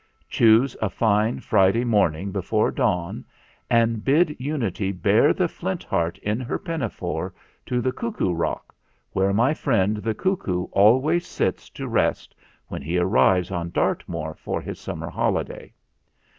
Choose a fine Friday morning before dawn and bid Unity bear the Flint Heart in her pinafore to the 'Cuckoo Rock/ where my friend the cuckoo always sits to rest when he arrives on Dartmoor for his summer holiday.